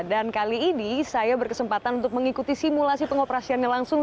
dan kali ini saya berkesempatan untuk mengikuti simulasi pengoperasiannya langsung